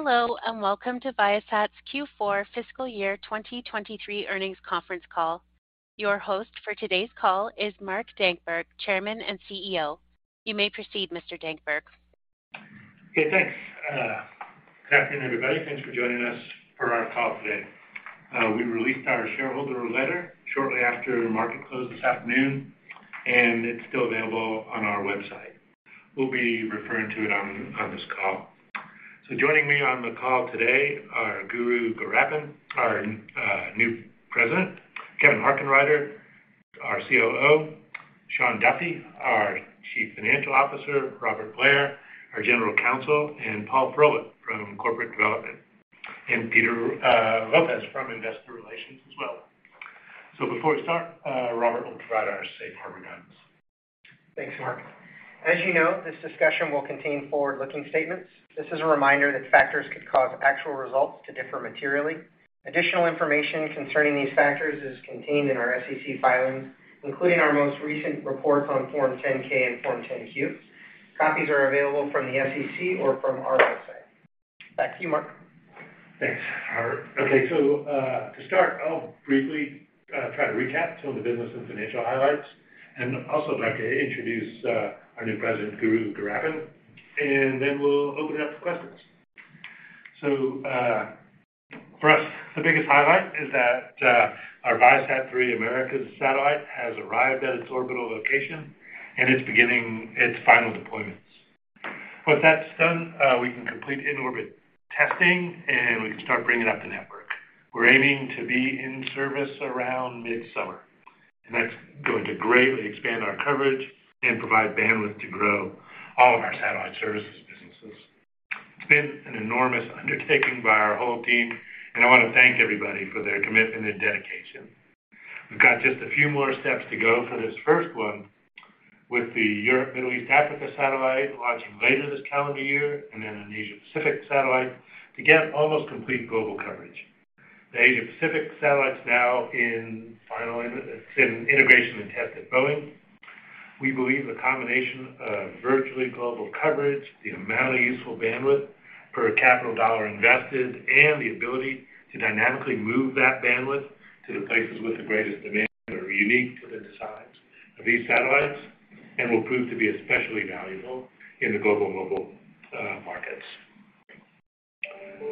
Hello, and welcome to Viasat's Q4 fiscal year 2023 earnings conference call. Your host for today's call is Mark Dankberg, Chairman and CEO. You may proceed, Mr. Dankberg. Okay, thanks. Good afternoon, everybody. Thanks for joining us for our call today. We released our shareholder letter shortly after market close this afternoon, and it's still available on our website. We'll be referring to it on this call. Joining me on the call today are Guru Gowrappan, our new President, Kevin Harkenrider, our COO, Shawn Duffy, our Chief Financial Officer, Robert Blair, our General Counsel, and Paul Froelich from Corporate Development, and Peter Lopez from Investor Relations as well. Before we start, Robert will provide our safe harbor guidance. Thanks, Mark. As you know, this discussion will contain forward-looking statements. This is a reminder that factors could cause actual results to differ materially. Additional information concerning these factors is contained in our SEC filings, including our most recent reports on Form 10-K and Form 10-Q. Copies are available from the SEC or from our website. Back to you, Mark. Thanks, Robert. Okay. To start, I'll briefly try to recap some of the business and financial highlights, and also I'd like to introduce our new President, Guru Gowrappan, and then we'll open it up for questions. For us, the biggest highlight is that our ViaSat-3 Americas satellite has arrived at its orbital location, and it's beginning its final deployments. Once that's done, we can complete in-orbit testing, and we can start bringing up the network. We're aiming to be in service around mid-summer. That's going to greatly expand our coverage and provide bandwidth to grow all of our satellite services businesses. It's been an enormous undertaking by our whole team, and I want to thank everybody for their commitment and dedication. We've got just a few more steps to go for this first one with the Europe, Middle East, Africa satellite launching later this calendar year, and then an Asia-Pacific satellite to get almost complete global coverage. The Asia-Pacific satellite's now in integration and test at Boeing. We believe the combination of virtually global coverage, the amount of useful bandwidth per capital dollar invested, and the ability to dynamically move that bandwidth to the places with the greatest demand are unique to the designs of these satellites and will prove to be especially valuable in the global mobile markets.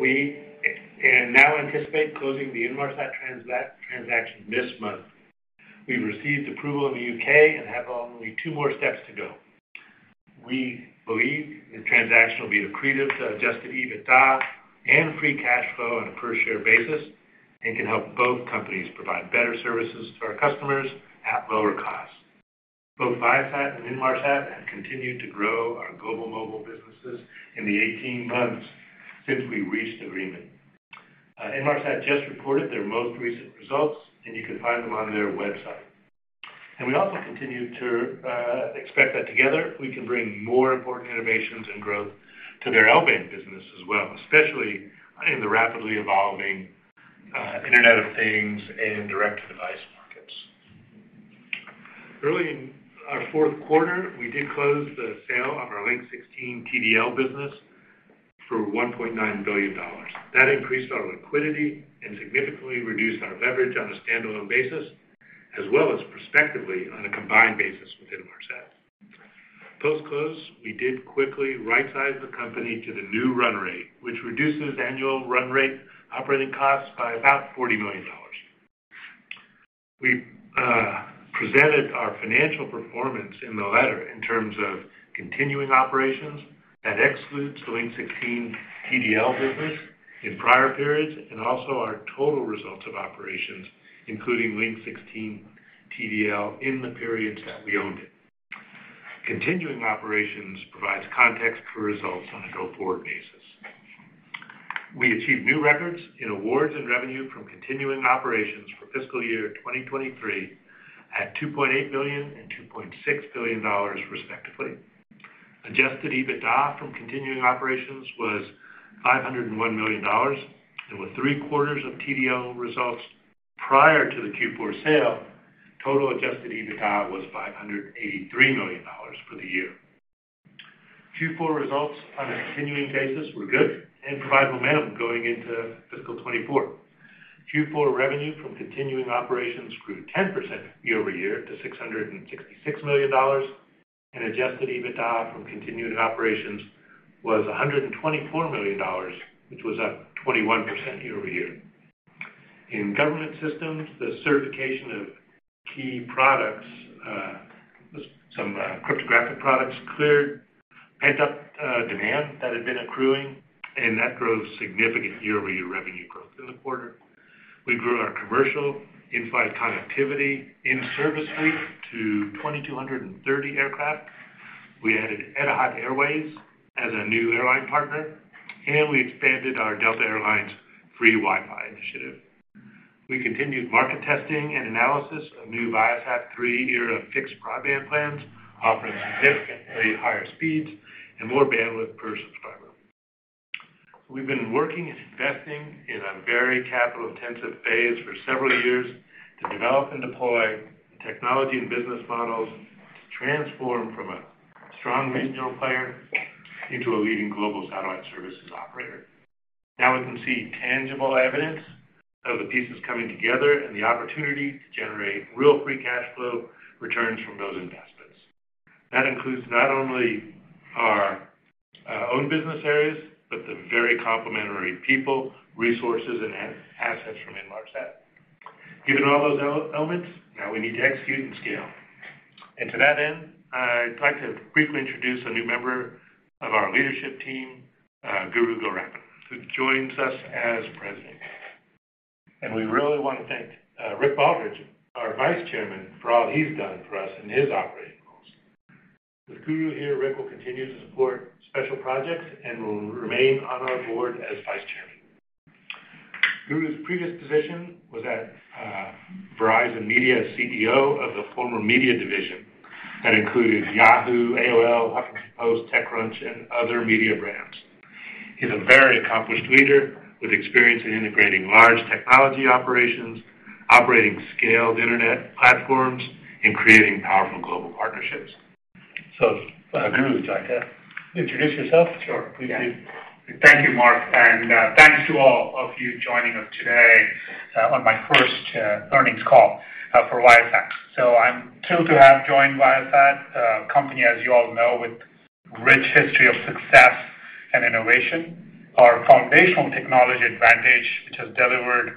We now anticipate closing the Inmarsat transaction this month. We've received approval in the UK and have only two more steps to go. We believe the transaction will be accretive to adjusted EBITDA and free cash flow on a per-share basis and can help both companies provide better services to our customers at lower costs. Both Viasat and Inmarsat have continued to grow our global mobile businesses in the 18 months since we reached agreement. Inmarsat just reported their most recent results, and you can find them on their website. We also continue to expect that together, we can bring more important innovations and growth to their L-band business as well, especially in the rapidly evolving Internet of Things and direct-to-device markets. Early in our fourth quarter, we did close the sale of our Link 16 TDL business for $1.9 billion. That increased our liquidity and significantly reduced our leverage on a standalone basis, as well as perspectively on a combined basis with Inmarsat. Post-close, we did quickly rightsize the company to the new run rate, which reduces annual run rate operating costs by about $40 million. We presented our financial performance in the letter in terms of continuing operations. That excludes the Link 16 TDL business in prior periods and also our total results of operations, including Link 16 TDL in the periods that we owned it. Continuing operations provides context for results on a go-forward basis. We achieved new records in awards and revenue from continuing operations for fiscal year 2023 at $2.8 billion and $2.6 billion, respectively. Adjusted EBITDA from continuing operations was $501 million, and with three-quarters of TDL results prior to the Q4 sale, total adjusted EBITDA was $583 million for the year. Q4 results on a continuing basis were good and provide momentum going into fiscal 2024. Q4 revenue from continuing operations grew 10% year-over-year to $666 million. Adjusted EBITDA from continuing operations was $124 million, which was up 21% year-over-year. In government systems, the certification of key products, some cryptographic products cleared pent-up demand that had been accruing, and that drove significant year-over-year revenue growth in the quarter. We grew our commercial in-flight connectivity in service fleet to 2,230 aircraft. We added Etihad Airways as a new airline partner, and we expanded our Delta Air Lines' free Wi-Fi initiative. We continued market testing and analysis of new ViaSat-3 era fixed broadband plans, offering significantly higher speeds and more bandwidth per subscriber. We've been working and investing in a very capital-intensive phase for several years to develop and deploy the technology and business modelsTransform from a strong regional player into a leading global satellite services operator. Now we can see tangible evidence of the pieces coming together and the opportunity to generate real free cash flow returns from those investments. That includes not only our own business areas, but the very complimentary people, resources, and assets from Inmarsat. Given all those elements, now we need to execute and scale. To that end, I'd like to briefly introduce a new member of our leadership team, Guru Gowrappan, who joins us as President. We really wanna thank Rick Baldridge, our Vice Chairman, for all he's done for us in his operating roles. With Guru here, Rick Baldridge will continue to support special projects and will remain on our board as Vice Chairman. Guru's previous position was at Verizon Media, CEO of the former media division that included Yahoo, AOL, Huffington Post, TechCrunch, and other media brands. He's a very accomplished leader with experience in integrating large technology operations, operating scaled internet platforms, and creating powerful global partnerships. Guru, would you like to introduce yourself? Sure. Please do. Thank you, Mark, and thanks to all of you joining us today, on my first earnings call for Viasat. I'm thrilled to have joined Viasat, a company, as you all know, with rich history of success and innovation. Our foundational technology advantage, which has delivered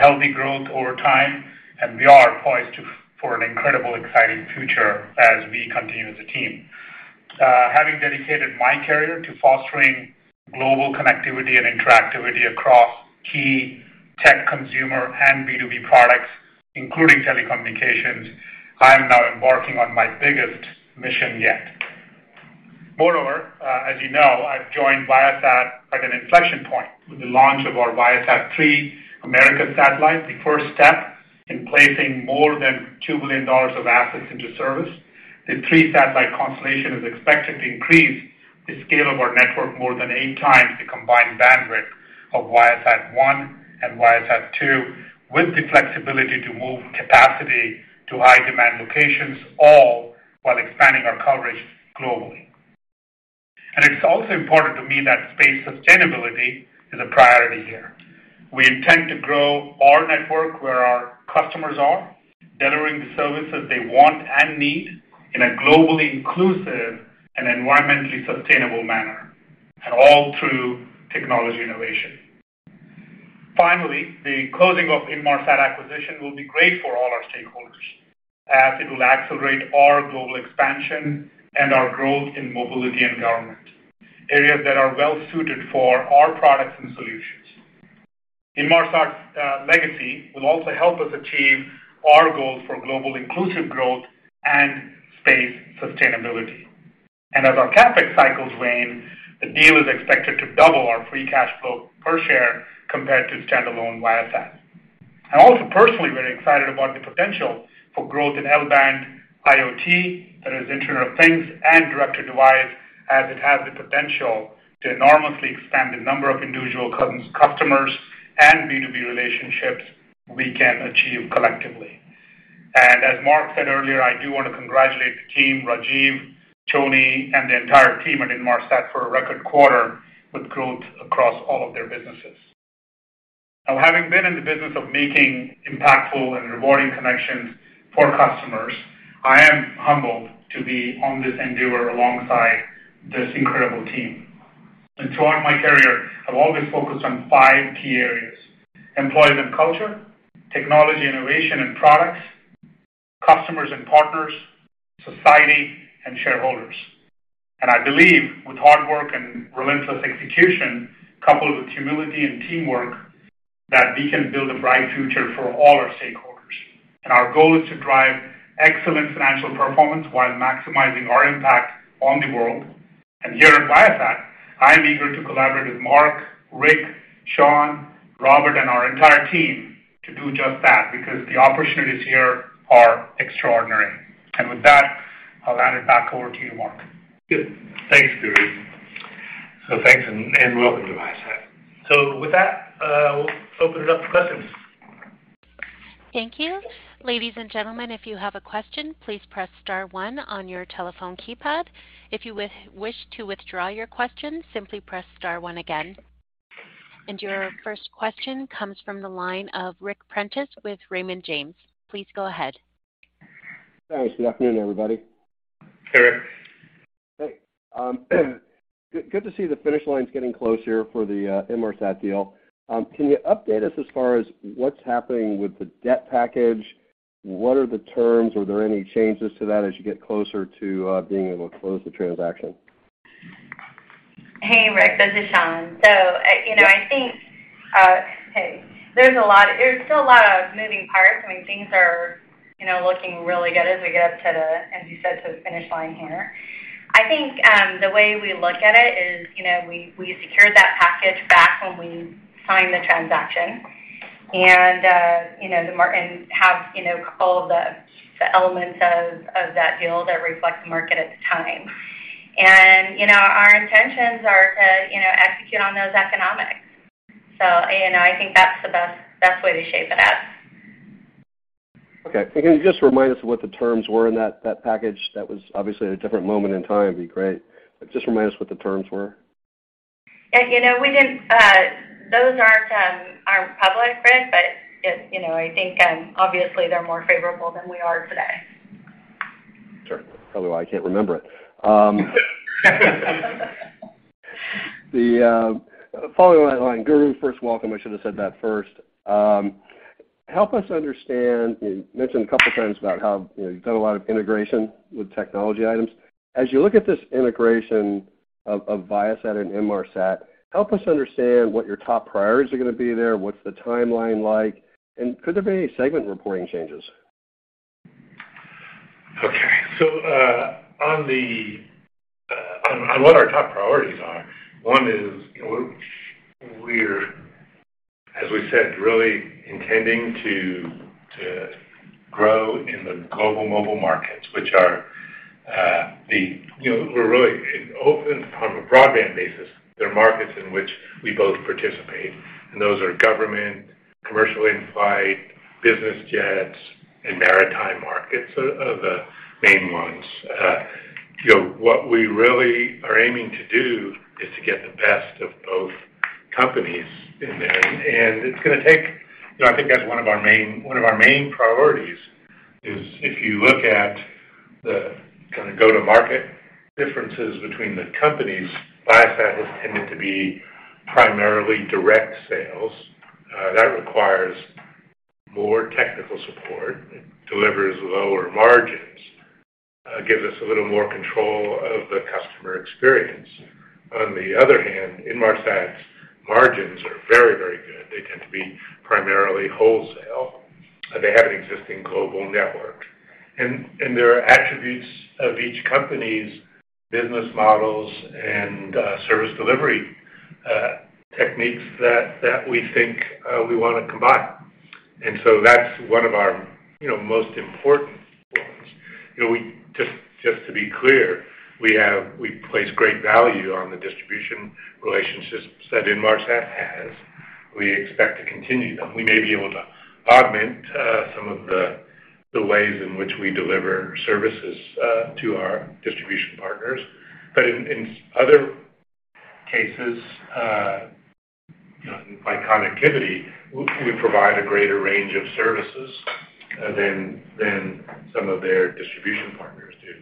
healthy growth over time, and we are poised for an incredible, exciting future as we continue as a team. Having dedicated my career to fostering global connectivity and interactivity across key tech consumer and B2B products, including telecommunications, I'm now embarking on my biggest mission yet. Moreover, as you know, I've joined Viasat at an inflection point with the launch of our ViaSat-3 Americas satellite, the first step in placing more than $2 billion of assets into service. The 3 satellite constellation is expected to increase the scale of our network more than 8 times the combined bandwidth of ViaSat-1 and ViaSat-2, with the flexibility to move capacity to high-demand locations, all while expanding our coverage globally. It's also important to me that space sustainability is a priority here. We intend to grow our network where our customers are, delivering the services they want and need in a globally inclusive and environmentally sustainable manner, and all through technology innovation. Finally, the closing of Inmarsat acquisition will be great for all our stakeholders as it will accelerate our global expansion and our growth in mobility and government, areas that are well suited for our products and solutions. Inmarsat's legacy will also help us achieve our goals for global inclusive growth and space sustainability. As our CapEx cycles wane, the deal is expected to double our free cash flow per share compared to standalone Viasat. I'm also personally very excited about the potential for growth in L-band IoT, that is Internet of Things, and direct-to-device, as it has the potential to enormously expand the number of individual customers and B2B relationships we can achieve collectively. As Mark said earlier, I do wanna congratulate the team, Rajeev, Tony, and the entire team at Inmarsat for a record quarter with growth across all of their businesses. Now, having been in the business of making impactful and rewarding connections for customers, I am humbled to be on this endeavor alongside this incredible team. Throughout my career, I've always focused on five key areas: employees and culture, technology, innovation and products, customers and partners, society, and shareholders. I believe with hard work and relentless execution, coupled with humility and teamwork, that we can build a bright future for all our stakeholders. Our goal is to drive excellent financial performance while maximizing our impact on the world. Here at Viasat, I'm eager to collaborate with Mark, Rick, Shawn, Robert, and our entire team to do just that because the opportunities here are extraordinary. With that, I'll hand it back over to you, Mark. Good. Thanks, Guru. Thanks and welcome to Viasat. With that, we'll open it up to questions. Thank you. Ladies and gentlemen, if you have a question, please press star one on your telephone keypad. If you wish to withdraw your question, simply press star one again. Your first question comes from the line of Ric Prentiss with Raymond James. Please go ahead. Thanks. Good afternoon, everybody. Hey, Rick. Hey. Good to see the finish line's getting close here for the Inmarsat deal. Can you update us as far as what's happening with the debt package? What are the terms? Are there any changes to that as you get closer to being able to close the transaction? Hey, Rick. This is Shawn. You know, I think. Hey. There's still a lot of moving parts. I mean, things are, you know, looking really good as we get up to the, as you said, to the finish line here. I think, the way we look at it is, you know, we secured that package back when we signed the transaction and, you know, have, you know, all of the elements of that deal that reflect the market at the time. Are to, you know, execute on those economics. You know, I think that's the best way to shape it up. Okay. Can you just remind us of what the terms were in that package that was obviously at a different moment in time? It'd be great. Just remind us what the terms were. Yeah, you know, we didn't. Those aren't public, Rick, but, you know, I think, obviously they're more favorable than we are today. Sure. Probably why I can't remember it. The following that line, Guru, first welcome, I should have said that first. Help us understand, you mentioned a couple times about how, you know, you've done a lot of integration with technology items. As you look at this integration of Viasat and Inmarsat, help us understand what your top priorities are gonna be there, what's the timeline like, and could there be any segment reporting changes? Okay. on what our top priorities are, one is, you know, as we said, really intending to grow in the global mobile markets. You know, we're really open from a broadband basis. There are markets in which we both participate, and those are government, commercial in-flight, business jets, and maritime markets are the main ones. You know, what we really are aiming to do is to get the best of both companies in there. You know, I think that's one of our main priorities, is if you look at the kinda go-to-market differences between the companies, Viasat has tended to be primarily direct sales. That requires more technical support. It delivers lower margins. Gives us a little more control of the customer experience. On the other hand, Inmarsat's margins are very good. They tend to be primarily wholesale. They have an existing global network. There are attributes of each company's business models and service delivery techniques that we think we wanna combine. That's one of our, you know, most important ones. You know, we, just to be clear, we place great value on the distribution relationships that Inmarsat has. We expect to continue them. We may be able to augment some of the ways in which we deliver services to our distribution partners. In other cases, you know, like connectivity, we provide a greater range of services than some of their distribution partners do.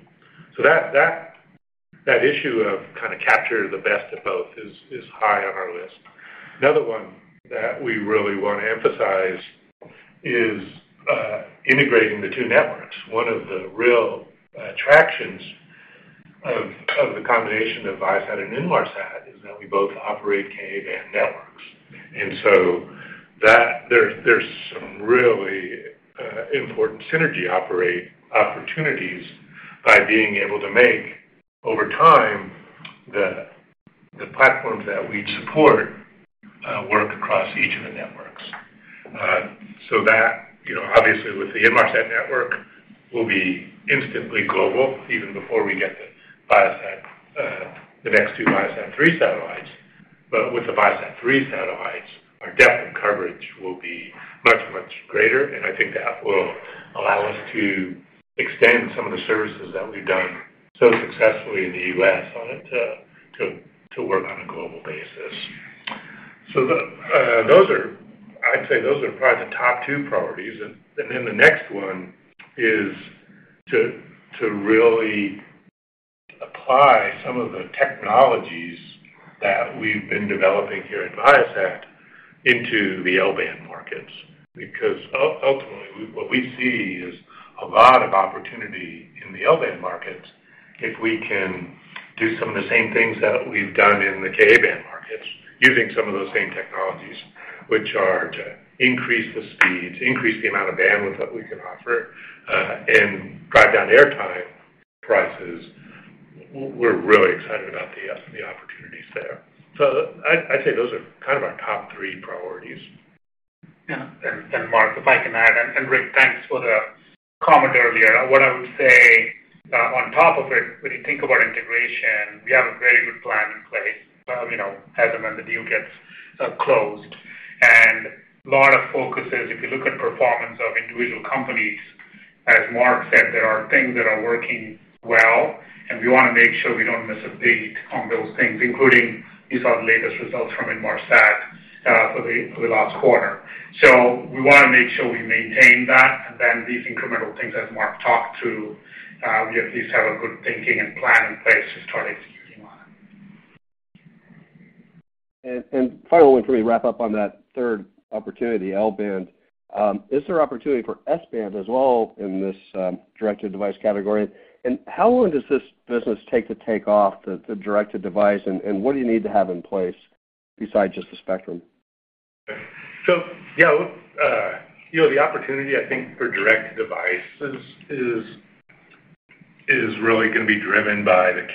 That issue of kind of capture the best of both is high on our list. Another one that we really wanna emphasize is integrating the two networks. One of the real attractions of the combination of Viasat and Inmarsat is that we both operate Ka-band networks. That, there's some really important synergy operate opportunities by being able to make, over time, the platforms that we support work across each of the networks. You know, obviously with the Inmarsat network will be instantly global even before we get the Viasat, the next two Viasat-3 satellites. With the ViaSat-3 satellites, our depth in coverage will be much greater, and I think that will allow us to extend some of the services that we've done so successfully in the U.S. on it to work on a global basis. I'd say those are probably the top two priorities. Then the next one is to really apply some of the technologies that we've been developing here at ViaSat into the L-band markets. Ultimately, what we see is a lot of opportunity in the L-band markets if we can do some of the same things that we've done in the Ka-band markets using some of those same technologies, which are to increase the speeds, increase the amount of bandwidth that we can offer, and drive down airtime prices. We're really excited about the opportunities there. I'd say those are kind of our top three priorities. Mark, if I can add, and Rick, thanks for the comment earlier. What I would say on top of it, when you think about integration, we have a very good plan in place. You know, as and when the deal gets closed. Lot of focus is, if you look at performance of individual companies, as Mark said, there are things that are working well, and we wanna make sure we don't miss a beat on those things, including, you saw the latest results from Inmarsat for the last quarter. We wanna make sure we maintain that, and then these incremental things, as Mark talked to, we at least have a good thinking and plan in place to start executing on. We'll wrap up on that third opportunity, L-band. Is there opportunity for S-band as well in this directed device category? How long does this business take to take off, the directed device, and what do you need to have in place besides just the spectrum? Yeah, you know, the opportunity I think for direct devices is really gonna be driven by the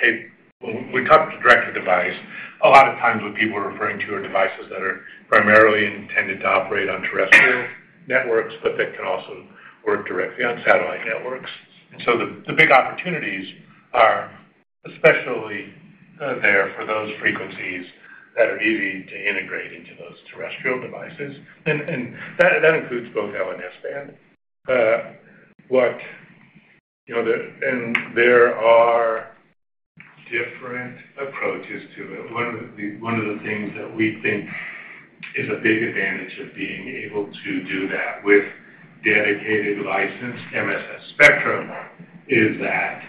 When we talk directed device, a lot of times what people are referring to are devices that are primarily intended to operate on terrestrial networks, but that can also work directly on satellite networks. The big opportunities are especially there for those frequencies that are easy to integrate into those terrestrial devices. That includes both L-band and S-band. You know, There are different approaches to it. One of the things that we think is a big advantage of being able to do that with dedicated licensed MSS spectrum is that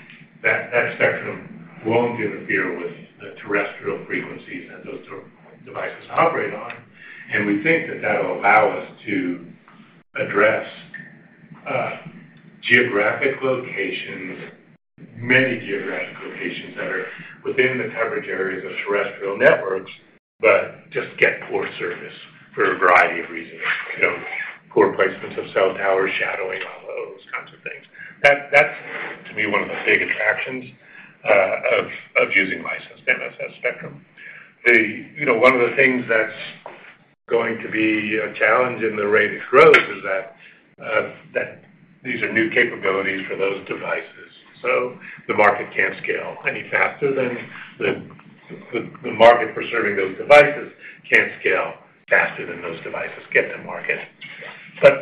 spectrum won't interfere with the terrestrial frequencies that those terrestrial devices operate on. We think that that'll allow us to address geographic locations, many geographic locations that are within the coverage areas of terrestrial networks, but just get poor service for a variety of reasons. You know, poor placements of cell towers, shadowing, all of those kinds of things. That, that's to me, one of the big attractions of using licensed MSS spectrum. You know, one of the things that's going to be a challenge in the rate of growth is that these are new capabilities for those devices. The market can't scale any faster than the market for serving those devices can't scale faster than those devices get to market.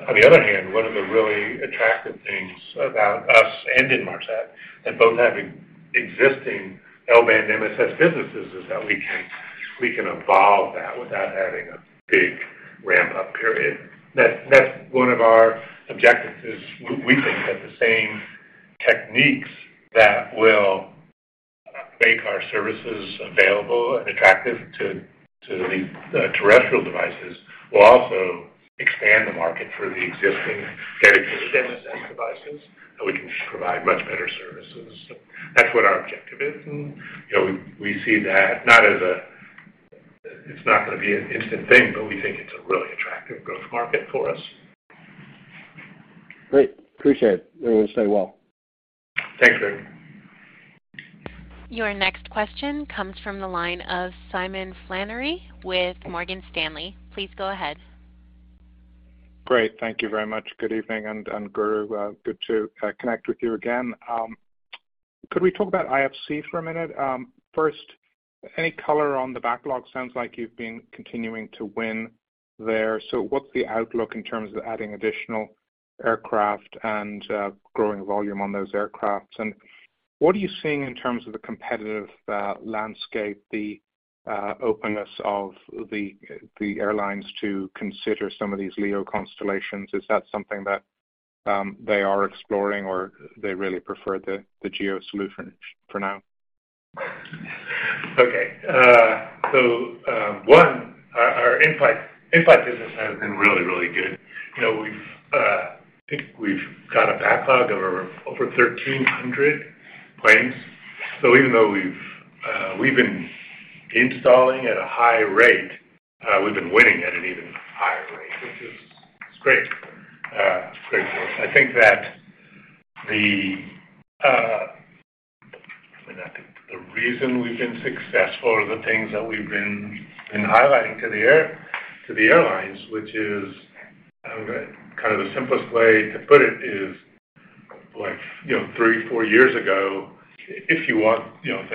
On the other hand, one of the really attractive things about us and Inmarsat, and both having existing L-band MSS businesses, is that we can evolve that without having a big ramp-up period. That's one of our objectives, is we think that the same techniques that will make our services available and attractive to these terrestrial devices will also expand the market for the existing dedicated MSS devices, and we can provide much better services. That's what our objective is. You know, we see that not as a, it's not gonna be an instant thing, but we think it's a really attractive growth market for us. Great. Appreciate it. It was very well. Thanks, Ric. Your next question comes from the line of Simon Flannery with Morgan Stanley. Please go ahead. Great. Thank you very much. Good evening, and Guru, good to connect with you again. Could we talk about IFC for a minute? First, any color on the backlog? Sounds like you've been continuing to win there. What's the outlook in terms of adding additional aircraft and growing volume on those aircrafts? What are you seeing in terms of the competitive landscape, the openness of the airlines to consider some of these LEO constellations? Is that something that they are exploring or they really prefer the GEO solution for now? Okay. One, our in-flight business has been really, really good. You know, we've, I think we've got a backlog of over 1,300 planes. Even though we've been installing at a high rate, we've been winning at an even higher rate, which is great. Great for us. I think that the... I mean, I think the reason we've been successful are the things that we've been highlighting to the airlines, which is, kind of the simplest way to put it is like, you know, 3, 4 years ago, you know.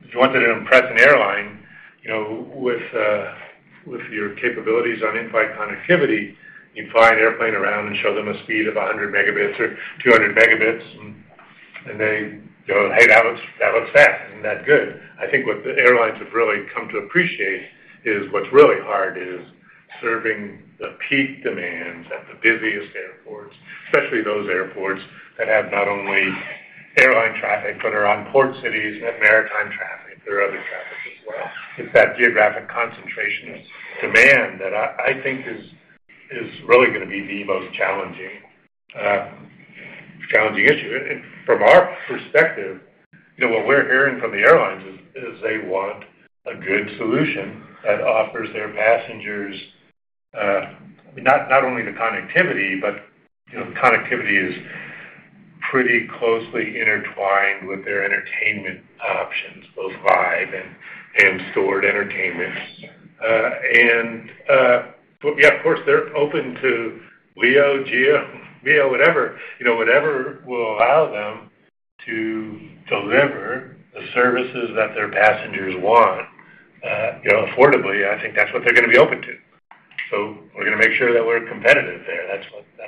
If you wanted to impress an airline, you know, with your capabilities on in-flight connectivity, you'd fly an airplane around and show them a speed of 100 megabits or 200 megabits, they go, "Hey, that looks fast, isn't that good?" I think what the airlines have really come to appreciate is what's really hard is serving the peak demands at the busiest airports, especially those airports that have not only airline traffic, but are on port cities and have maritime traffic. There are other traffic as well. It's that geographic concentration of demand that I think is really gonna be the most challenging issue. From our perspective, you know, what we're hearing from the airlines is they want a good solution that offers their passengers, I mean, not only the connectivity, but, you know, the connectivity is pretty closely intertwined with their entertainment options, both live and stored entertainment. But yeah, of course, they're open to LEO, GEO, LEO, whatever. You know, whatever will allow them to deliver the services that their passengers want, you know, affordably, I think that's what they're gonna be open to. We're gonna make sure that we're competitive there. That's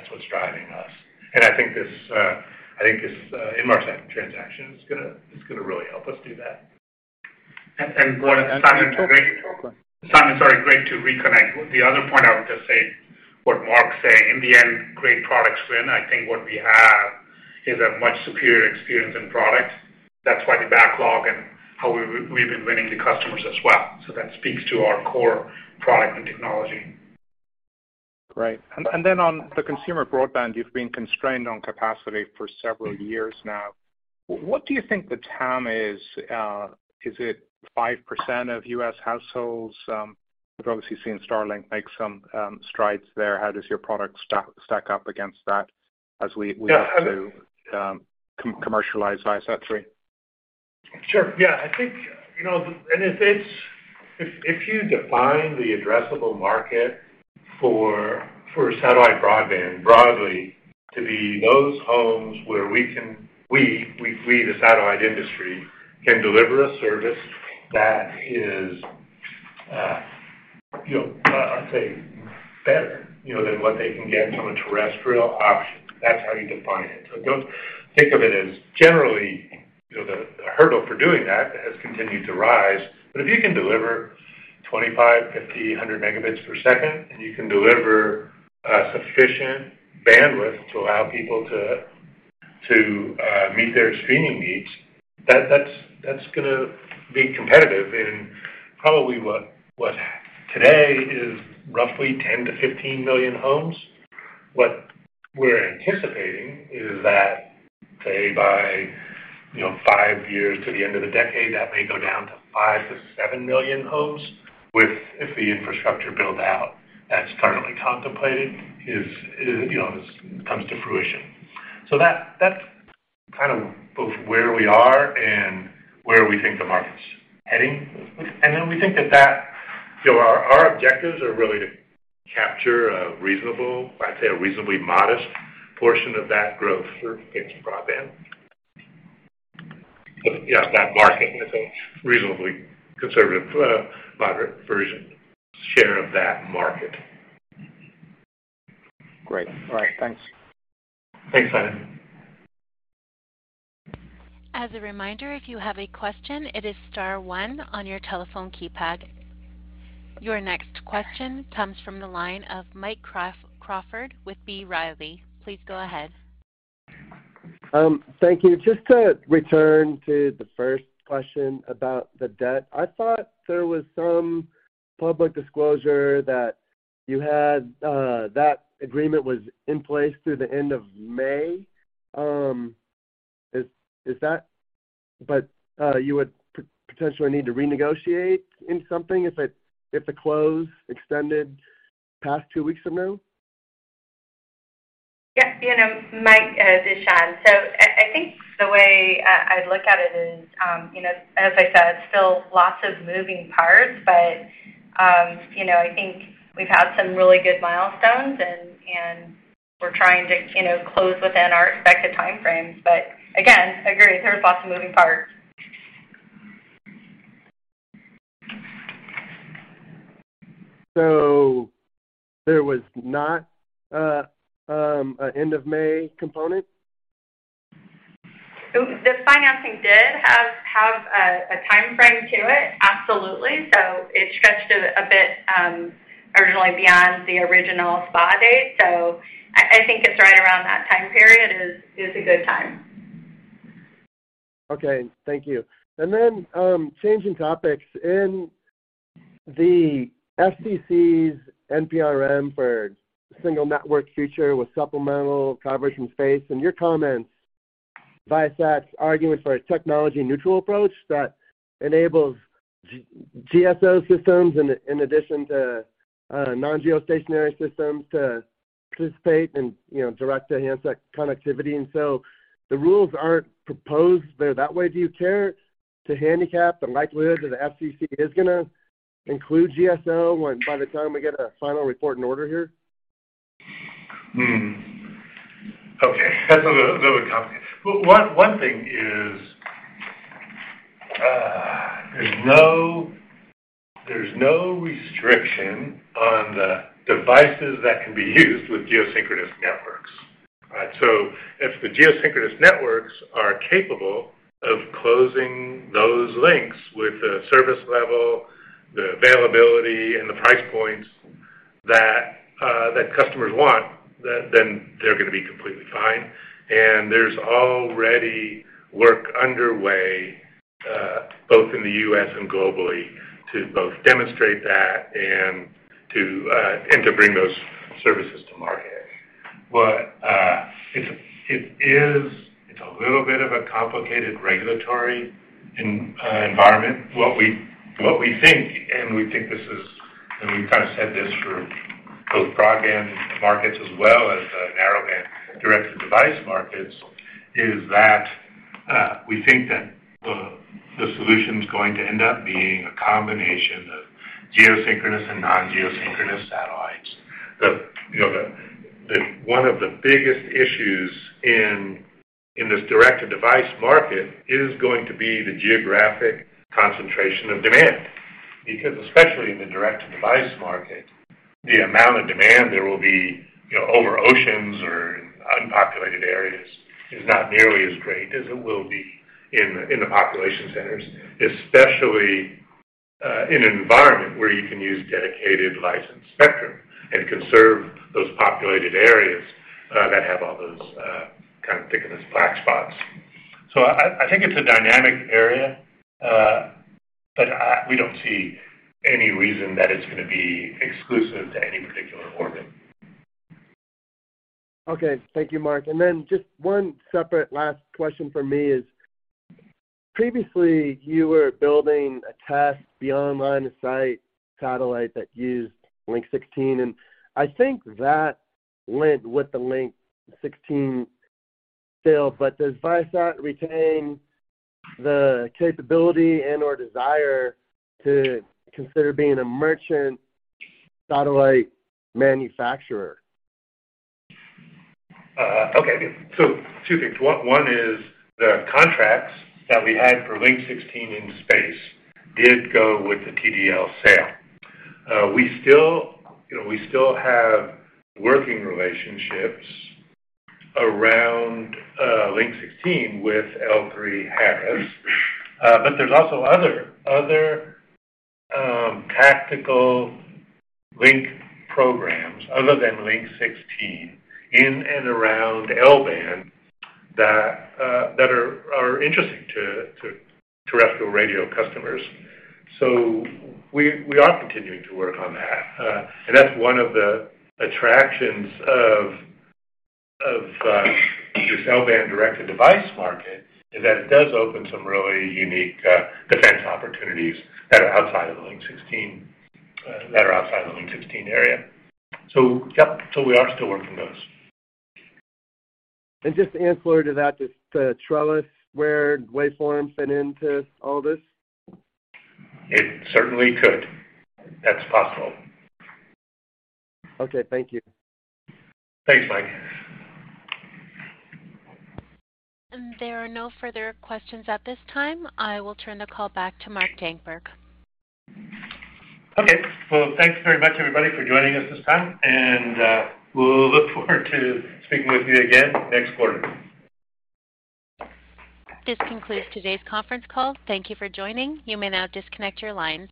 what's driving us. I think this Inmarsat transaction is gonna really help us do that. What. Go ahead. Simon, sorry, great to reconnect. The other point I would just say what Mark's saying. In the end, great products win. I think what we have is a much superior experience and product. That's why the backlog and how we've been winning the customers as well. That speaks to our core product and technology. Great. Then on the consumer broadband, you've been constrained on capacity for several years now. What do you think the TAM is? Is it 5% of U.S. households? We've obviously seen Starlink make some strides there. How does your product stack up against that as we- Yeah, and-. look to, commercialize ViaSat-3? Sure. Yeah, I think, you know, if you define the addressable market for satellite broadband broadly to be those homes where we, the satellite industry, can deliver a service that is, you know, I'd say better, you know, than what they can get from a terrestrial option. That's how you define it. Don't think of it as generally, you know, the hurdle for doing that has continued to rise. If you can deliver 25, 50, 100 megabits per second, and you can deliver sufficient bandwidth to allow people to meet their streaming needs, that's gonna be competitive in probably what today is roughly 10-15 million homes. What we're anticipating is that, say, by, you know, 5 years to the end of the decade, that may go down to 5 million-7 million homes if the infrastructure build-out that's currently contemplated is, you know, comes to fruition. That's kind of both where we are and where we think the market's heading. We think that, you know, our objectives are really to capture a reasonable, I'd say a reasonably modest portion of that growth for Viasat broadband. Yeah, that market is a reasonably conservative, moderate version, share of that market. Great. All right. Thanks. Thanks, Simon. As a reminder, if you have a question, it is star one on your telephone keypad. Your next question comes from the line of Mike Crawford with B. Riley. Please go ahead. Thank you. Just to return to the first question about the debt. I thought there was some public disclosure that you had that agreement was in place through the end of May. Is that you would potentially need to renegotiate in something if it, if the close extended past two weeks from now? Yeah. You know, Mike, this is Shawn. I think the way I look at it is, you know, as I said, it's still lots of moving parts, but, you know, I think we've had some really good milestones and we're trying to, you know, close within our expected timeframes. Again, agree, there's lots of moving parts. There was not a end of May component? The financing did have a timeframe to it. Absolutely. It stretched a bit originally beyond the original SPA date. I think it's right around that time period is a good time. Okay. Thank you. Changing topics. In the FCC's NPRM for single network future with supplemental coverage from space and your comments, Viasat's argument for a technology neutral approach that enables GSO systems in addition to non-geostationary systems to participate in, you know, direct to handset connectivity. The rules aren't proposed there that way. Do you care to handicap the likelihood that the FCC is gonna include GSO when by the time we get a final report and order here? Okay. That's a little bit complicated. One thing is, there's no restriction on the devices that can be used with geosynchronous networks, right? If the geosynchronous networks are capable of closing those links with the service level, the availability, and the price points that customers want, they're gonna be completely fine. There's already work underway, both in the U.S. and globally to both demonstrate that and to bring those services to market. It's a little bit of a complicated regulatory environment. What we think, and we think this is, and we've kind of said this for both broadband markets as well as the narrowband direct-to-device markets, is that we think that the solution's going to end up being a combination of geosynchronous and non-geosynchronous satellites. You know, one of the biggest issues in this direct-to-device market is going to be the geographic concentration of demand. Because especially in the direct-to-device market, the amount of demand there will be, you know, over oceans or in unpopulated areas is not nearly as great as it will be in the population centers, especially in an environment where you can use dedicated licensed spectrum and conserve those populated areas that have all those kind of thin black spots. I think it's a dynamic area, but we don't see any reason that it's gonna be exclusive to any particular orbit. Okay. Thank you, Mark. Just one separate last question from me is, previously you were building a test beyond line of sight satellite that used Link 16, and I think that went with the Link 16 sale. Does Viasat retain the capability and or desire to consider being a merchant satellite manufacturer? Two things. One is the contracts that we had for Link 16 in space did go with the TDL sale. We still, you know, we still have working relationships around Link 16 with L3Harris. But there's also other tactical Link programs other than Link 16 in and around L-band that are interesting to terrestrial radio customers. We are continuing to work on that. And that's one of the attractions of the cellular band direct-to-device market is that it does open some really unique defense opportunities that are outside of the Link 16, that are outside the Link 16 area. We are still working those. Just to ancillary to that, does the TrellisWare TSM waveform fit into all this? It certainly could. That's possible. Okay. Thank you. Thanks, Mike. There are no further questions at this time. I will turn the call back to Mark Dankberg. Okay. Well, thanks very much, everybody, for joining us this time, and we'll look forward to speaking with you again next quarter. This concludes today's conference call. Thank you for joining. You may now disconnect your lines.